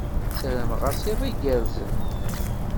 Ssarmeɣ-as iḍ igerrzen.